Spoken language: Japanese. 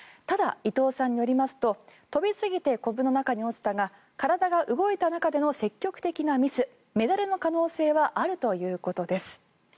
ただ、伊藤さんによりますと飛びすぎてこぶの中に落ちたが体が動いた中での積極的なミスメダルの可能性はあるということです。